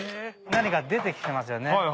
何か出てきてますよね